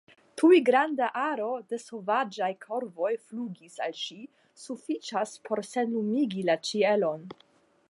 Tuj granda aro da sovaĝaj korvoj flugis al ŝi, sufiĉaj por senlumigi la ĉielon.